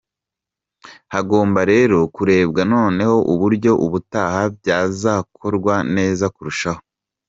Hagomba rero kurebwa noneho uburyo ubutaha byazakorwa neza kurushaho.